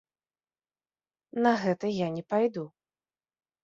На гэта я не пайду.